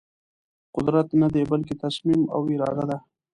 قدرت ندی بلکې تصمیم او اراده ده.